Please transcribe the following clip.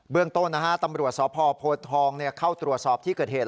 เบื้องต้นนะฮะตำรวจสอบพพทองเนี่ยเข้าตรวจสอบที่เกิดเหตุ